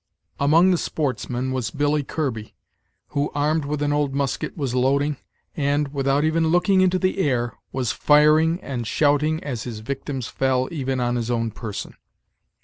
Among the sportsmen was Billy Kirby, who, armed with an old musket, was loading, and, without even looking into the air, was firing and shouting as his victims fell even on his own person.